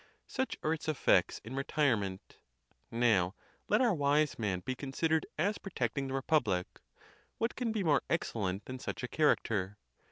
Such are its effects in retirement. Now, let our wise man be considered as pro tecting the republic; what can be more excellent than such a character?